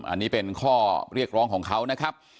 อันนี้เป็นข้อเรียกร้องของเขานะครับ